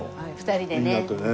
２人でね。